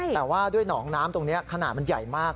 แต่ว่าด้วยหนองน้ำตรงนี้ขนาดมันใหญ่มาก